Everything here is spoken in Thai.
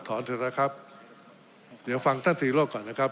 เถอะนะครับเดี๋ยวฟังท่านตรีโรธก่อนนะครับ